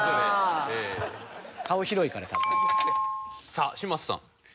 さあ嶋佐さん。